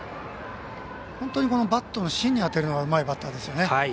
本当にバットの芯に当てるのがうまい選手ですね。